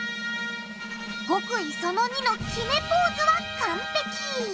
極意その２の決めポーズは完璧！